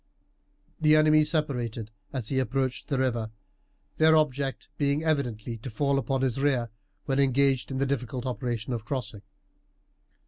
The enemy separated as he approached the river, their object being evidently to fall upon his rear when engaged in the difficult operation of crossing.